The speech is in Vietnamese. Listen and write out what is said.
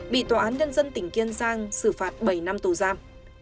bị tòa án nhân dân tỉnh kiên giang xử phạt bảy năm tù giam